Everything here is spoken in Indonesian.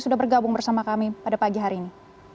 sudah bergabung bersama kami pada pagi hari ini